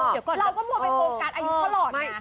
เราก็โฟกัสอายุของพ่อหลอดนะ